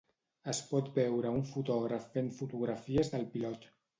Es pot veure a un fotògraf fent fotografies del pilot.